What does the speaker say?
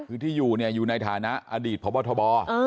คือที่อยู่เนี่ยอยู่อยู่ในฐานะอดีตพบทบ